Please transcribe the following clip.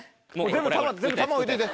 全部球置いといて。